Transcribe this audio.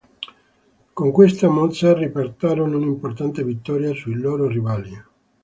Con questa mossa riportarono un'importante vittoria sui loro rivali.